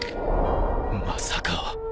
まさか